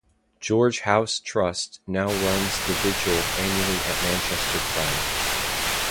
George House Trust now run the vigil annually at Manchester Pride.